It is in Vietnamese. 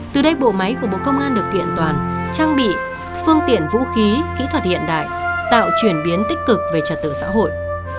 từ đây bộ máy của bộ công an được kiện toàn trang bị phương tiện vũ khí kỹ thuật hiện đại tạo chuyển biến tích cực về trật tự xã hội